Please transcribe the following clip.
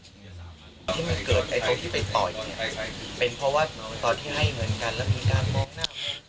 ที่มันเกิดไอ้คนที่ไปต่อยเนี่ยเป็นเพราะว่าตอนที่ให้เงินกันแล้วมีการมองหน้า